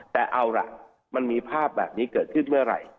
แต่เอาล่ะมันมีภาพแบบนี้เกิดขึ้นเมื่อไหร่